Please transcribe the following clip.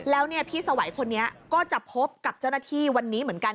แล้วพี่สวัยคนนี้ก็จะพบกับเจ้าหน้าที่วันนี้เหมือนกัน